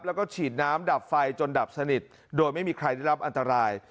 แล้วก็ฉีดน้ำดับไฟจนดับสนิทโดยไม่มีใครได้รับอันตราย